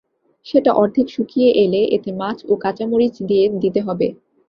সেটা অর্ধেক শুকিয়ে এলে এতে মাছ ও কাঁচা মরিচ দিয়ে দিতে হবে।